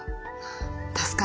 あ助かる。